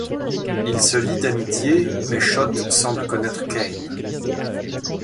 Ils se lient d'amitié mais Shot semble connaître Kane.